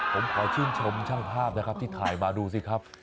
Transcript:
ผมขอชื่นชมช่างภาพนะครับที่ถ่ายมาดูสิครับ